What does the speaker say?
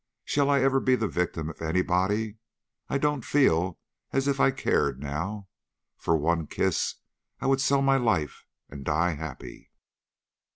Shall I ever be the victim of anybody? I don't feel as if I cared now. For one kiss I would sell my life and die happy.